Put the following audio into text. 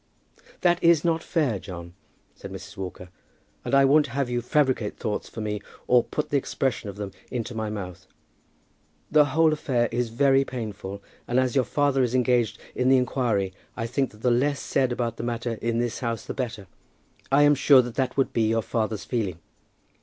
"That is not fair, John," said Mrs. Walker; "and I won't have you fabricate thoughts for me, or put the expression of them into my mouth. The whole affair is very painful, and as your father is engaged in the inquiry, I think that the less said about the matter in this house the better. I am sure that that would be your father's feeling."